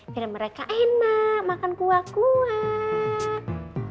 biar mereka enak makan kuah kuat